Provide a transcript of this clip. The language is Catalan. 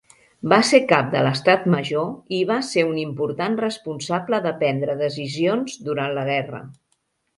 Va ser Cap de l'Estat Major i va ser un important responsable de prendre decisions durant la guerra.